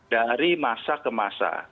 dari masa ke masa